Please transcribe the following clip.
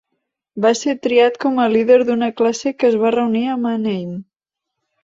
Va ser triat com a líder d'una classe que es va reunir a Manheim.